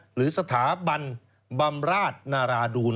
หรือสถาบันบำราชนาราดูล